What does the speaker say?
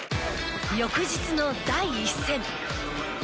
翌日の第１戦。